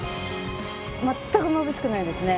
全くまぶしくないですね